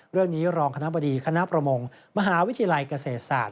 เรื่องนี้รองคณะบดีคณะประมงมหาวิทยาลัยเกษตรศาสต